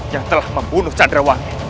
yang telah membunuh candrawan